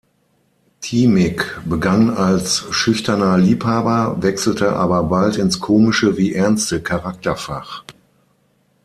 Thimig begann als „schüchterner Liebhaber“, wechselte aber bald ins komische wie ernste Charakterfach.